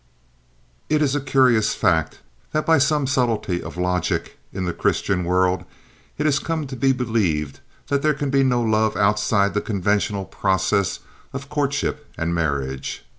It is a curious fact that by some subtlety of logic in the Christian world, it has come to be believed that there can be no love outside the conventional process of courtship and marriage.